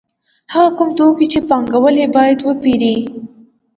هغه کوم توکي دي چې پانګوال یې باید وپېري